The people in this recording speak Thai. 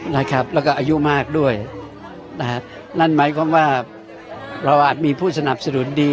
นะครับแล้วก็อายุมากด้วยนะฮะนั่นหมายความว่าเราอาจมีผู้สนับสนุนดี